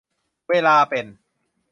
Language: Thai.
เวลาเป็น